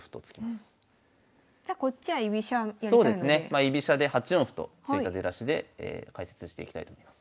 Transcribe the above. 居飛車で８四歩と突いた出だしで解説していきたいと思います。